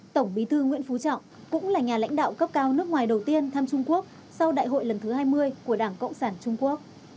tổng bí thư nguyễn phú trọng cũng là nhà lãnh đạo cấp cao nước ngoài đầu tiên thăm trung quốc sau đại hội lần thứ hai mươi của đảng cộng sản trung quốc